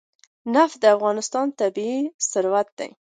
نفت د افغانستان طبعي ثروت دی.